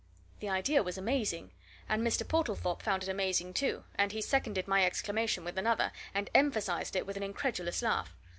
The idea was amazing and Mr. Portlethorpe found it amazing, too, and he seconded my exclamation with another, and emphasized it with an incredulous laugh.